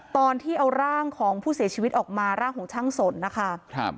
ตอนที่เอาร่างของผู้เสียชีวิตออกมาร่างของช่างสนนะคะครับ